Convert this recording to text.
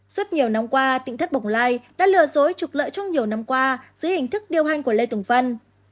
suốt nhiều năm qua tịnh thất bổng lai đã lừa dối trục lợi trong nhiều năm qua dưới hình thức điều hành của lê tùng vân